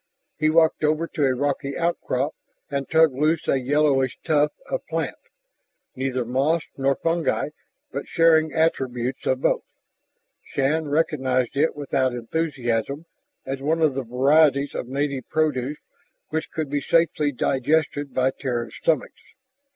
He walked over to a rocky outcrop and tugged loose a yellowish tuft of plant, neither moss nor fungi but sharing attributes of both. Shann recognized it without enthusiasm as one of the varieties of native produce which could be safely digested by Terran stomachs.